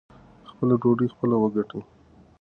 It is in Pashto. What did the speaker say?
خپله ډوډۍ خپله وګټئ.